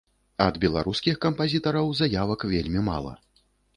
Ад беларускіх кампазітараў заявак вельмі мала.